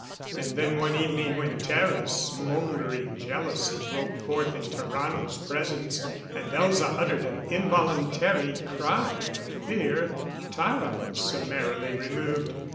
And then, one evening when Tara's smouldering jealousy broke forth in Tarrano's presence and Elza uttered an involuntary cry of fear, Tara was summarily removed.